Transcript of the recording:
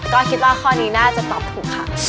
ก็คิดว่าข้อนี้น่าจะตอบถูกค่ะ